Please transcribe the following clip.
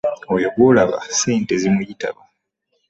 Oyo gwolaba essente zimuyitaba.